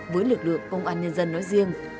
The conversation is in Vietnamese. với lực lượng công an nhân dân nói riêng